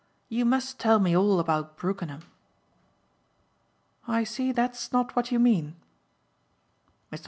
You must tell me all about Brookenham." "I see that's not what you mean." Mr.